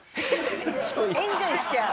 エンジョイしちゃう。